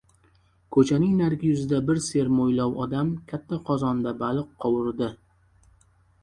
Ko‘chaning narigi yuzida bir sermo‘ylov odam katta qozonda baliq qovurdi.